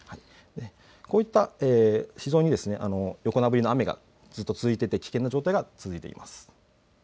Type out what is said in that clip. こういった横殴りの雨が続いていて危険な状態が続いています。